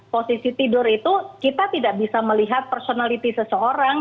posisi tidur itu kita tidak bisa melihat personality seseorang